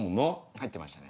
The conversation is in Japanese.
入ってましたね。